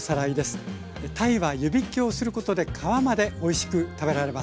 鯛は湯びきをすることで皮までおいしく食べられます。